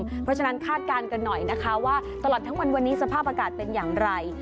เพราะฉะนั้นคาดการณ์กันหน่อยนะคะว่าตลอดทั้งวันวันนี้สภาพอากาศเป็นอย่างไร